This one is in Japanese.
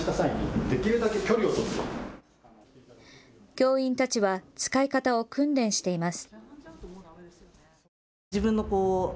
教員たちは使い方を訓練しています。